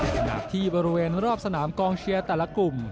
ขณะที่บริเวณรอบสนามกองเชียร์แต่ละกลุ่ม